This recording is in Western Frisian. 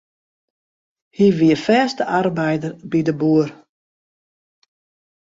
Hy wie fêste arbeider by de boer.